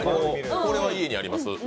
これは家にあります。